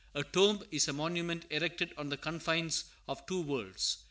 A tomb is a monument erected on the confines of two worlds.